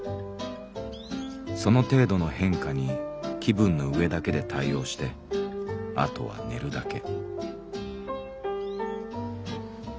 その程度の変化に気分の上だけで対応してあとは寝るだけ」。